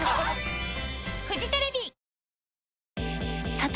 さて！